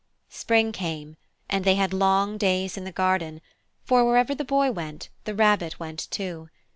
Spring came, and they had long days in the garden, for wherever the Boy went the Rabbit went too.